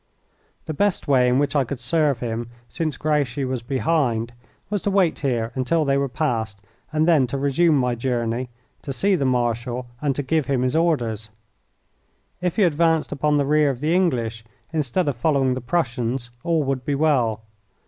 The best way in which I could serve him, since Grouchy was behind, was to wait here until they were past, and then to resume my journey, to see the Marshal, and to give him his orders. If he advanced upon the rear of the English instead of following the Prussians all would be well.